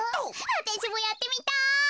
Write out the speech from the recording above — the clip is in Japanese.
わたしもやってみたい。